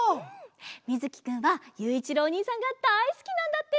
みずきくんはゆういちろうおにいさんがだいすきなんだって！